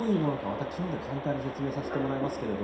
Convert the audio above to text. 私のほうで簡単に説明させてもらいます。